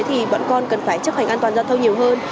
thì bọn con cần phải chấp hành an toàn giao thông nhiều hơn